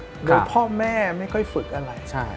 โดยพ่อแม่ไม่ค่อยฝึกอะไร